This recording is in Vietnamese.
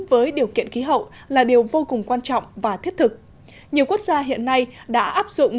với điều kiện khí hậu là điều vô cùng quan trọng và thiết thực nhiều quốc gia hiện nay đã áp dụng